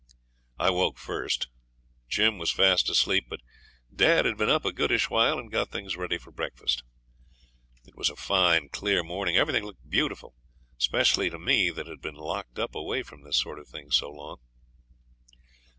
I woke first; Jim was fast asleep, but dad had been up a goodish while and got things ready for breakfast. It was a fine, clear morning; everything looked beautiful, 'specially to me that had been locked up away from this sort of thing so long.